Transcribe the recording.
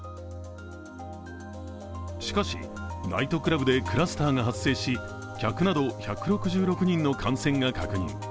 しかし、ナイトクラブでクラスターが発生し客など１６６人の感染が確認。